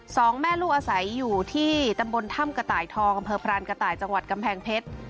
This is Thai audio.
สองแม่ลูกอาศัยอยู่ที่ตำบลถ้ำกระต่ายทองอำเภอพรานกระต่ายจังหวัดกำแพงเพชร